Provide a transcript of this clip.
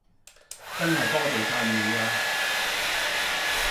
真係多謝晒你呀